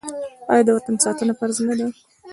آیا د وطن ساتنه فرض نه ده؟